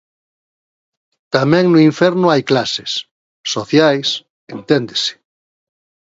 Tamén no inferno hai clases; sociais, enténdese.